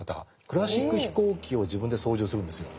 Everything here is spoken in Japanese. クラシック飛行機を自分で操縦するんですよ。